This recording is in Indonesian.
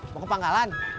mau ke panggalan